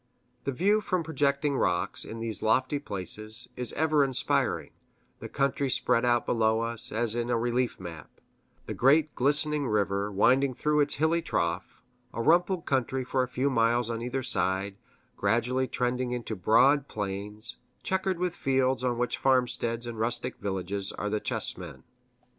The view from projecting rocks, in these lofty places, is ever inspiring; the country spread out below us, as in a relief map; the great glistening river winding through its hilly trough; a rumpled country for a few miles on either side, gradually trending into broad plains, checkered with fields on which farmsteads and rustic villages are the chessmen.